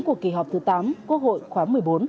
của kỳ họp thứ tám quốc hội khóa một mươi bốn